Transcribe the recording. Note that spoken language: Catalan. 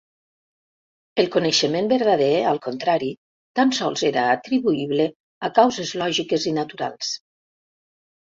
El coneixement verdader, al contrari, tan sols era atribuïble a causes lògiques i naturals.